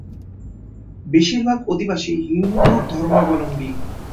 বেশীরভাগ অধিবাসী হিন্দু ধর্মাবলম্বী।